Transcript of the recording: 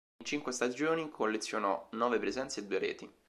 In cinque stagioni collezionò nove presenze e due reti.